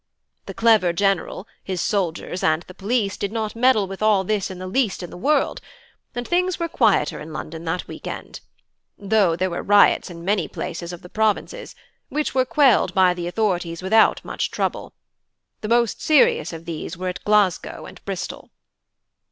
The clever general, his soldiers, and the police did not meddle with all this in the least in the world; and things were quieter in London that week end; though there were riots in many places of the provinces, which were quelled by the authorities without much trouble. The most serious of these were at Glasgow and Bristol.